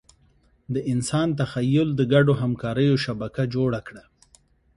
د انسان تخیل د ګډو همکاریو شبکه جوړه کړه.